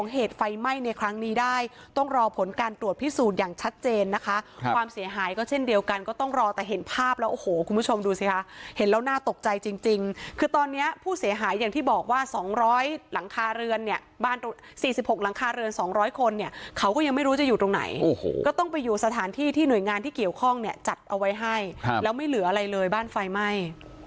เห็นไฟไหม้ในครั้งนี้ได้ต้องรอผลการตรวจพิสูจน์อย่างชัดเจนนะคะความเสียหายก็เช่นเดียวกันก็ต้องรอแต่เห็นภาพแล้วโอ้โหคุณผู้ชมดูสิคะเห็นแล้วน่าตกใจจริงจริงคือตอนเนี้ยผู้เสียหายอย่างที่บอกว่าสองร้อยหลังคาเรือนเนี้ยบ้านตรงสี่สิบหกหลังคาเรือนสองร้อยคนเนี้ยเขาก็ยังไม่รู้จะอยู่ตรงไหนโอ้โ